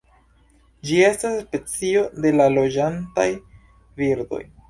Ĝi estas specio de loĝantaj birdoj.